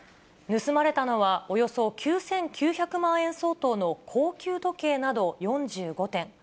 盗まれたのは、およそ９９００万円相当の高級時計など、４５点。